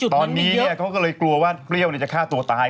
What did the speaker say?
ตอนนี้เขาก็เลยกลัวว่าเปรี้ยวจะฆ่าตัวตาย